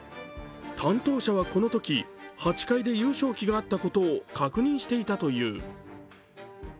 担当者はこのとき、８階で優勝旗があったことを確認していたという。